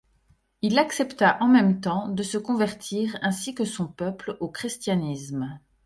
Il accepta en même temps de se convertir ainsi que son peuple au christianisme.